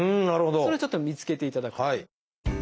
それちょっと見つけていただくと。